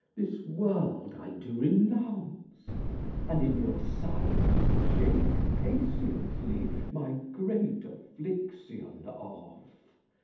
This world I do renounce, and, in your sights, Shake patiently my great affliction off.